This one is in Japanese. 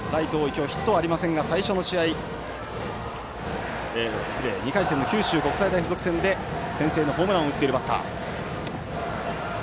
今日はヒットはありませんが２回戦の九州国際大付属戦で先制のホームランを打っているバッター。